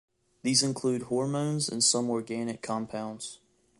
These include hormones and some organic compounds.